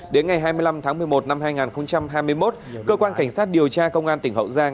đến ngày hai mươi năm tháng một mươi một năm hai nghìn hai mươi một cơ quan cảnh sát điều tra công an tỉnh hậu giang